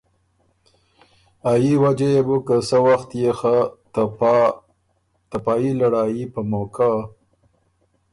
ا يي وجه يې بُک که سۀ وخت يې خه ته پا يي لړايي په موقع